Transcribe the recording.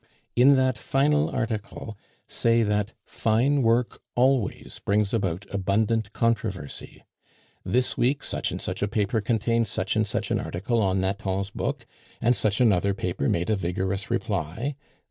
"In that final article say that 'fine work always brings about abundant controversy. This week such and such a paper contained such and such an article on Nathan's book, and such another paper made a vigorous reply.